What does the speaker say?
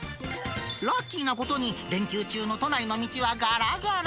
ラッキーなことに、連休中の都内の道はがらがら。